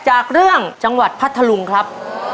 จากเรื่องจังหวัดพัทธลุงครับ